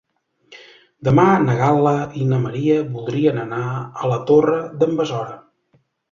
Demà na Gal·la i na Maria voldrien anar a la Torre d'en Besora.